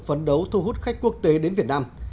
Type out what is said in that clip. phấn đấu thu hút khách quốc tế đến việt nam